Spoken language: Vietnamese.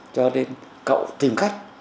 cho nên cậu tìm khách